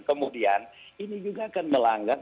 kemudian ini juga akan melanggar